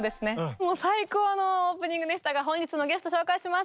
もう最高のオープニングでしたが本日のゲスト紹介します。